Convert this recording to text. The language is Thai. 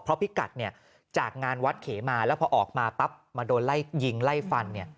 เพราะพิกัดจากงานวัดเขมาแล้วพอออกมาปั๊บมาโดนไล่ยิงไล่ฟัน